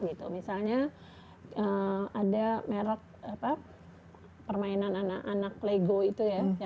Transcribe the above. misalnya ada merk permainan anak lego itu ya